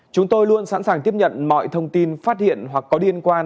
chúng tôi luôn sẵn sàng tiếp nhận mọi thông tin phát hiện hoặc có liên quan